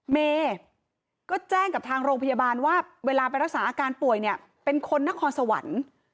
เมย์ก็แจ้งกับทางโรงพยาบาลว่าเวลาไปรักษาอาการป่วยเนี่ยเป็นคนนครสวรรค์